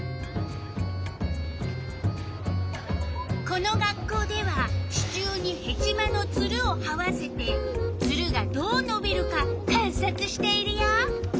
この学校では支柱にヘチマのツルをはわせてツルがどうのびるか観察しているよ。